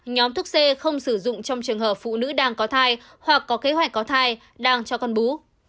nhóm thuốc c không sử dụng trong trường hợp phụ nữ đang có thai hoặc có kế hoạch có thai đang cho con bú